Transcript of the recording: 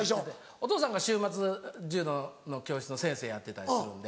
お父さんが週末柔道の教室の先生やってたりするんで。